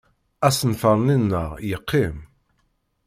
Asenfaṛ-nni-nneɣ yeqqim.